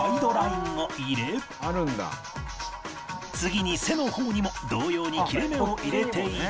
次に背の方にも同様に切れ目を入れていき